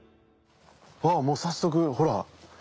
あっもう早速ほら！